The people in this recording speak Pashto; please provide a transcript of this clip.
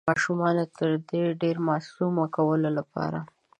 د ماشومانو تر دې هم ډير معصومه کولو لپاره